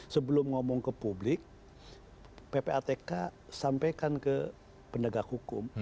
sebelum ngomong ke publik ppatk sampaikan ke pendegak hukum